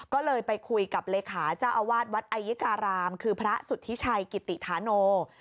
ก็เลยไปคุยกับเลขาเจ้าอาวาสวัดไอยิการามคือพระสุธิชัยกิติธาโน